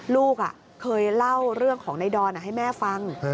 ลูกเคยเล่าเรื่องของในดอนให้แม่ฟัง